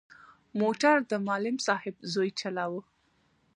موټر د معلم صاحب زوی چلاوه.